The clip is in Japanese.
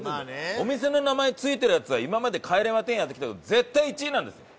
お店の名前付いてるやつは今まで『帰れま１０』やってきたけど絶対１位なんですよ。